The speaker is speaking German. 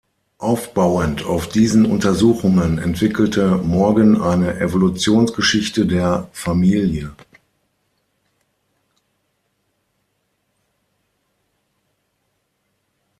Aufbauend auf diesen Untersuchungen entwickelte Morgan eine "„Evolutionsgeschichte der Familie“".